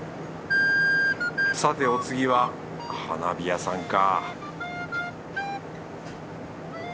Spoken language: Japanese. さてお次は花火屋さんか